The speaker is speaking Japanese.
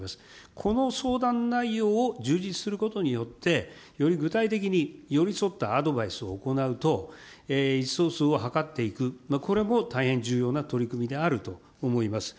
この相談内容を充実することによって、より具体的に寄り添ったアドバイスを行うと、意思疎通を図っていく、これも大変重要な取り組みであると思います。